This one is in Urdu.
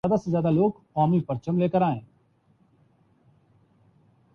حل ہو جائے گا۔